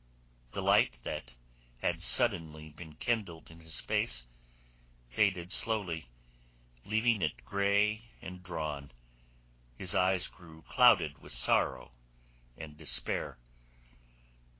The light that had suddenly been kindled in his face faded slowly, leaving it grey and drawn. His eyes grew clouded with sorrow and despair.